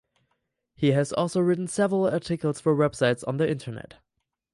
He has also written several articles for websites on the Internet.